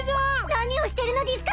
何をしてるのでぃすか！